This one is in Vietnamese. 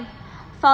phó giáo sư poon